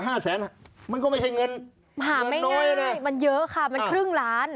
ห้าแสนฮะมันก็ไม่ใช่เงินหาไม่ง่ายเลยมันเยอะค่ะมันครึ่งล้าน